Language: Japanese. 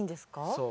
そう。